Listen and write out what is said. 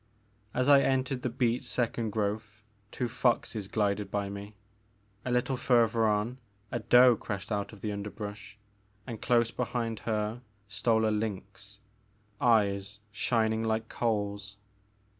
As I entered the beech second growth two foxes glided by me ; a little further on a doe crashed out of the underbrush, and close behind her stole a lynx, eyes shining like coals.